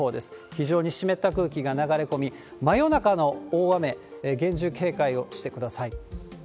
非常に湿った空気が流れ込み、真夜中の大雨、厳重警戒をしてください。